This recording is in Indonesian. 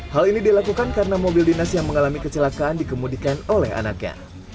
hal ini dilakukan karena mobil dinas yang mengalami kecelakaan dikemudikan oleh anaknya